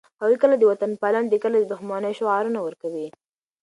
هغوی کله د وطنپالنې او کله د دښمنۍ شعارونه ورکوي.